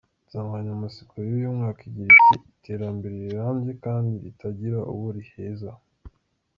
Insanganyamatsiko y’uyu mwaka igira iti “Iterambere rirambye kandi ritagira uwo riheza.